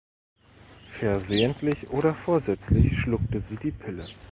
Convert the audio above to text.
Versehentlich oder vorsätzlich schluckte sie die Pille.